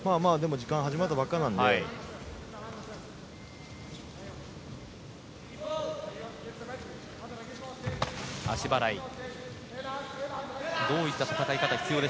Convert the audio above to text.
時間は始まったばかりなので。